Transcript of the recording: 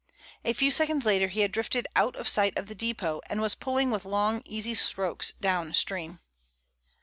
A few seconds later he had drifted out of sight of the depot, and was pulling with long, easy strokes down stream.